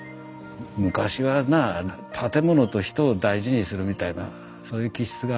昔はな建物と人を大事にするみたいなそういう気質があるのかな。